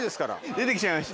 ・出て来ちゃいました